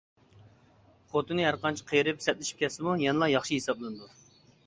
خوتۇنى ھەر قانچە قېرىپ، سەتلىشىپ كەتسىمۇ، يەنىلا ياخشى ھېسابلىنىدۇ.